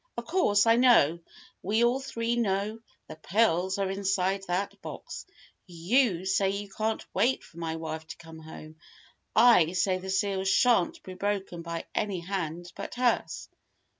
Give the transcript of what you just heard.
Of course, I know we all three know the pearls are inside that box. You say you can't wait for my wife to come home. I say the seals shan't be broken by any hand but hers.